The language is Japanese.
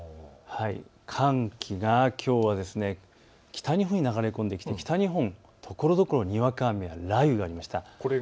寒気がきょうは北日本に流れ込んできて北日本ところどころでにわか雨や雷雨がありました。